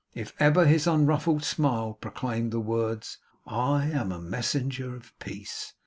If ever his unruffled smile proclaimed the words, 'I am a messenger of peace!